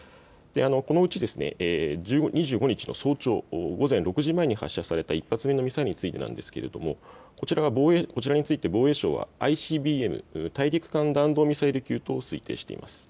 このうち２５日の早朝、午前６時前に発射された１発目のミサイルについてですけれどもこちらについて防衛省はＩＣＢＭ・大陸間弾道ミサイル級と推定しています。